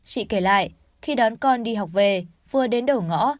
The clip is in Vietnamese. chị kể lại khi đón con đi học về vừa đến đầu ngõ